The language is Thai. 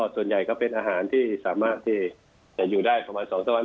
ส่วนใหญ่ก็เป็นอาหารที่สามารถอยู่ได้๒๓วัน